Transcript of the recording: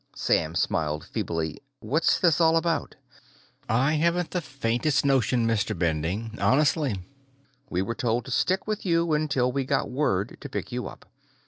Sam smiled feebly. "What's this all about?" "I haven't the faintest notion, Mr. Bending. Honestly. We were told to stick with you until we got word to pick you up.